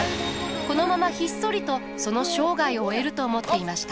このままひっそりとその生涯を終えると思っていました。